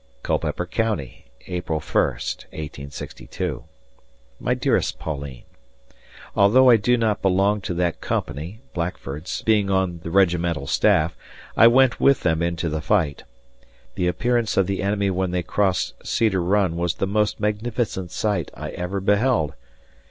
Culpeper Co., April 1st, 1862. My dearest Pauline: ... Although I do not belong to that Company (Blackford's), being on the regimental staff, I went with them into the fight. ... The appearance of the enemy when they crossed Cedar Run was the most magnificent sight I ever beheld....